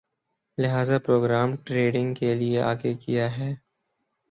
لہذا programme trading کے لیے آگے کِیا ہے